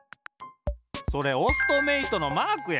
それオストメイトのマークや。